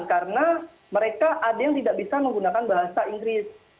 karena mereka ada yang tidak bisa menggunakan bahasa inggris